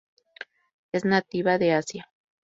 Es nativa de Asia.